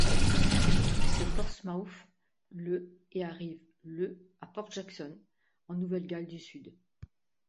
Il quitte Portsmouth le et arrive le à Port Jackson, en Nouvelle-Galles du Sud.